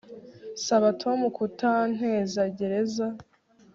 Saba Tom kutantegereza